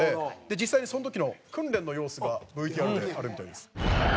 実際にその時の訓練の様子がＶＴＲであるみたいです。